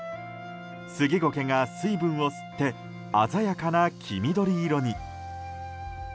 スギゴケが水分を吸って鮮やかな黄緑色に。